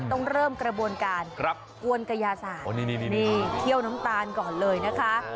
ต้องเริ่มกระบวนการกวนกระยาศาสตร์นี่เคี่ยวน้ำตาลก่อนเลยนะคะ